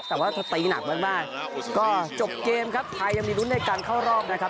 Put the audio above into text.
แต่ว่าเธอตีหนักมากก็จบเกมครับไทยยังมีลุ้นในการเข้ารอบนะครับ